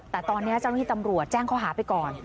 แต่ตอนนี้เจ้าหน้าที่ตำรวจแจ้งข้อหาไปก่อน